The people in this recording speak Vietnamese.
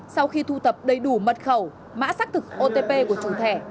sau khi thu thập đầy đủ mật khẩu mã xác thực otp của chủ thẻ